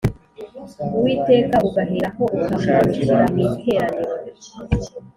Uwiteka ugaherako ukamanukira mu iteraniro